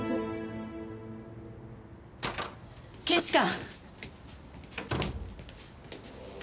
検視官！